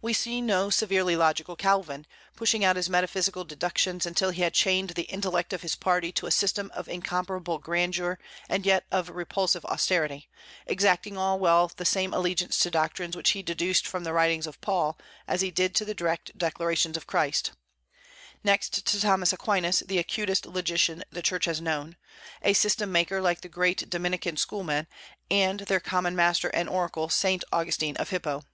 We see no severely logical Calvin, pushing out his metaphysical deductions until he had chained the intellect of his party to a system of incomparable grandeur and yet of repulsive austerity, exacting all the while the same allegiance to doctrines which he deduced from the writings of Paul as he did to the direct declarations of Christ; next to Thomas Aquinas, the acutest logician the Church has known; a system maker, like the great Dominican schoolmen, and their common master and oracle, Saint Augustine of Hippo.